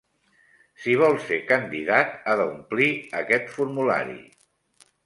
Si vol ser candidat, ha d'omplir aquest formulari.